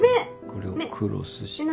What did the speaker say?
これをクロスして。